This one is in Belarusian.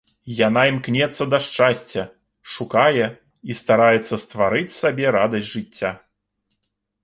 Яна імкнецца да шчасця, шукае і стараецца стварыць сабе радасць жыцця.